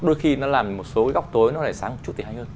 đôi khi nó làm một số góc tối nó lại sáng một chút tiền hay hơn